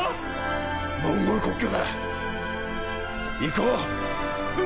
モンゴル国境だ行こう！